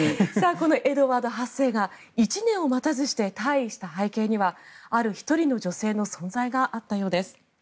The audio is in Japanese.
エドワード８世が１年を待たずして退位した背景にはある１人の女性の存在があったようです。